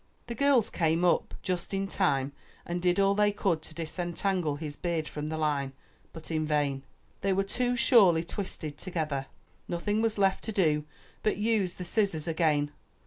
The girls came up just in time and did all they could to dis entangle his beard from the line, but in vain. They were too surely twisted together. Nothing was left to do, but use the scissors again.